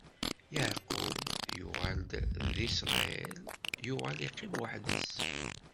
Yeɛqub yuɣal d Isṛayil, yuɣal iqqim weḥd-s.